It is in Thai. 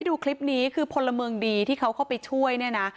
ดูคลิปนี้คือพลเมืองดีที่เขาเข้าไปช่วยเนี่ยนะ